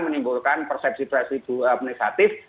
menimbulkan persepsi persepsi negatif